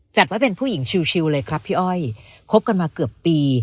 จัดไว้เป็นผู้หญิงชิวเลยครับพี่อ้อยคบกันมาเกือบปี